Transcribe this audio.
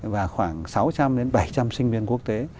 và khoảng sáu trăm linh bảy trăm linh sinh viên quốc tế